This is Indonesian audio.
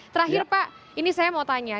terakhir pak ini saya mau tanya